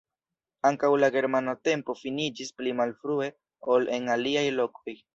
Ankaŭ la germana tempo finiĝis pli malfrue ol en aliaj lokoj.